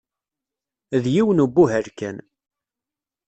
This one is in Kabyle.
D yiwen ubuhal kan.